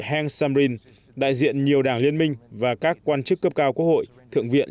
heng samrin đại diện nhiều đảng liên minh và các quan chức cấp cao quốc hội thượng viện